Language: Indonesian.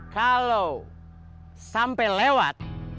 kalau sampai lewat